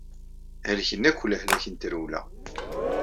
Helken akk lehlak n trewla.